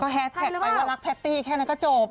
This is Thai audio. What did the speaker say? แฮสแท็กไปว่ารักแพตตี้แค่นั้นก็จบ